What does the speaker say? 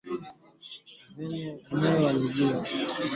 vyanzo vinne vya jeshi la serikali vililiambia shirika la habari